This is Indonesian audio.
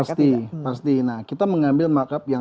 pasti pasti nah kita mengambil markup yang